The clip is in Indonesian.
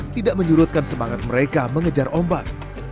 tidak menyurutkan semangat mereka mengejar ombak